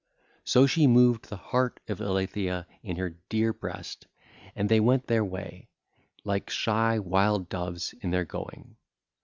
So she moved the heart of Eilithyia in her dear breast; and they went their way, like shy wild doves in their going.